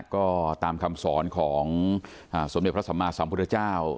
ก็ตามคำสอนของสมเด็จพระสัมมาสัมพุทธเจ้า